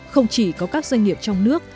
không chỉ có các doanh nghiệp trong nước